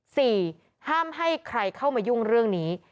ห้ามให้ใครเข้ามายุ่งเรื่องนี้